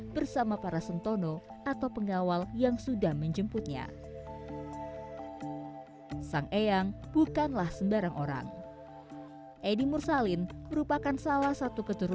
selamat datang di demak